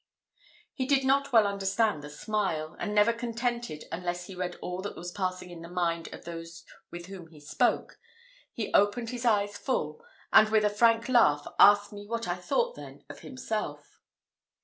He did not well understand the smile; and, never contented unless he read all that was passing in the mind of those with whom he spoke, he opened his eyes full, and with a frank laugh asked me what I thought, then, of himself.